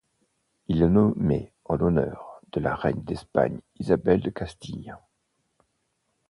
Il est nommé en l'honneur de la reine d'Espagne Isabelle de Castille.